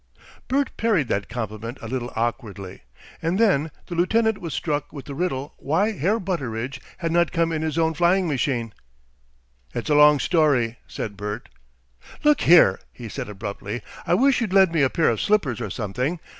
Bert parried that compliment a little awkwardly, and then the lieutenant was struck with the riddle why Herr Butteridge had not come in his own flying machine. "It's a long story," said Bert. "Look here!" he said abruptly, "I wish you'd lend me a pair of slippers, or something.